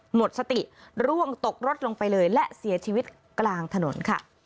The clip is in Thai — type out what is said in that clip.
หมดสติร่วงตกรถลงไปเลยและเสียชีวิตกลางถนนค่ะ